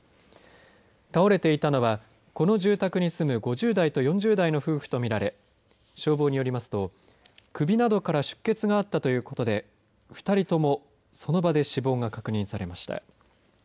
倒れていたのは、この住宅に住む５０代と４０代の夫婦と見られ消防によりますと首などから出血があったということで２人ともその場で死亡が確認されました。